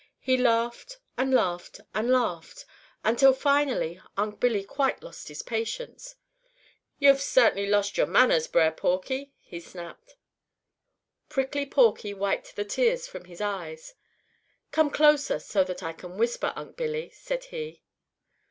He laughed and laughed and laughed, until finally Unc' Billy quite lost patience. "Yo' cert'nly have lost your manners, Brer Porky!" he snapped. Prickly Porky wiped the tears from his eyes. "Come closer so that I can whisper, Unc' Billy," said he.